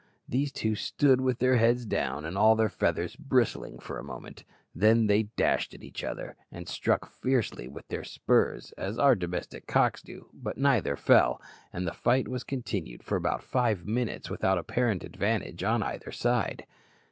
These two stood with their heads down and all their feathers bristling for a moment; then they dashed at each other, and struck fiercely with their spurs, as our domestic cocks do, but neither fell, and the fight was continued for about five minutes without apparent advantage on either side.